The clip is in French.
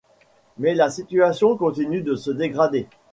Mais la situation continue de se dégrader.